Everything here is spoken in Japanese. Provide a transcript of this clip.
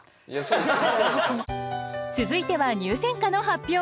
続いては入選歌の発表。